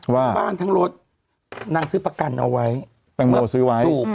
ว่าบ้านทั้งรถนั่งซื้อประกันเอาไว้แตงโมซื้อไว้ถูก